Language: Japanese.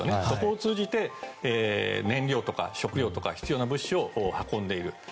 そこを通じて燃料や食料必要な物資を運んでいる。